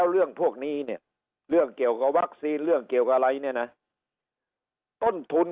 เรื่องเกี่ยวกับวัคซีนเรื่องเกี่ยวกับอะไรเนี่ยนะต้นทุน